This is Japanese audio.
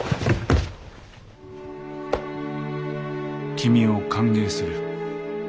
君を歓迎する。